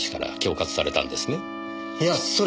いやそれは。